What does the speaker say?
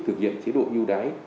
thực hiện chế độ ưu đãi